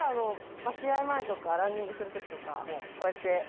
試合前とかランニングするときとかこうやってはめて。